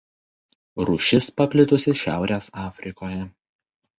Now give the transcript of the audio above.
Rūšis paplitusi Šiaurės Afrikoje.